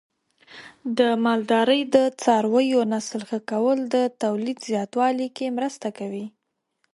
د مالدارۍ د څارویو نسل ښه کول د تولید زیاتوالي کې مرسته کوي.